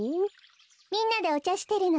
みんなでおちゃしてるの。